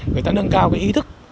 người ta nâng cao cái ý thức